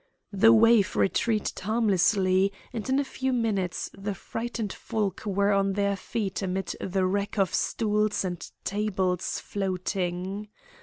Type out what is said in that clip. The wave retreated harmlessly, and in a few minutes the frightened folk were on their feet amid the wreck of stools and tables floating.